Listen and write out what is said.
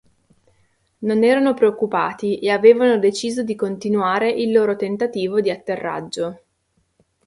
Non erano preoccupati e avevano deciso di continuare il loro tentativo di atterraggio.